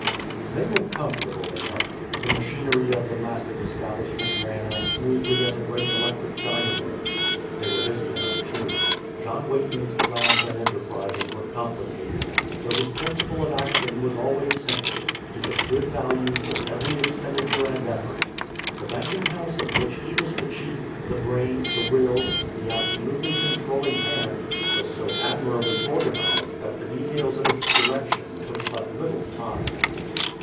They were comfortable enough. The machinery of the massive establishment ran as smoothly as a great electric dynamo. They were busy enough, too. John Weightman's plans and enterprises were complicated, though his principle of action was always simple to get good value for every expenditure and effort. The banking house of which he was the chief, the brain, the will, the absolutely controlling hand, was so admirably organized that the details of its direction took but little time.